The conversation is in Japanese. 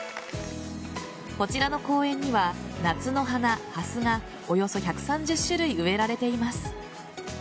こちらの公園には夏の花・ハスがおよそ１３０種類植えられています。